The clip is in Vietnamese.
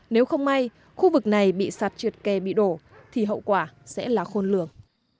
nếu không may khu vực này bị sạt trượt kè bị đổ thì hậu quả sẽ là khôn lường